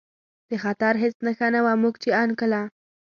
د خطر هېڅ نښه نه وه، موږ چې ان کله.